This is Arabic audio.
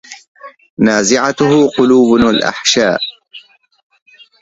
نازَعتْهُ قلوبُنا الأحشاءَ